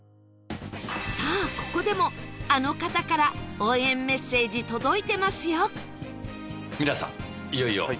さあここでもあの方から応援メッセージ届いてますよ